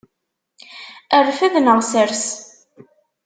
Rfed neɣ sers.